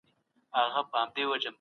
د ګاونډيانو حقوق ادا کول اړين دي.